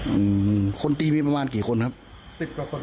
อืมคนตีมีประมาณกี่คนครับสิบกว่าคน